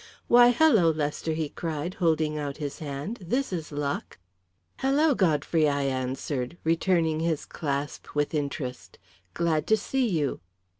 "Why, hello, Lester," he cried, holding out his hand. "This is luck!" "Hello, Godfrey," I answered, returning his clasp with interest. "Glad to see you."